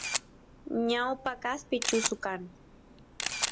ñawpa kaspi chusu kan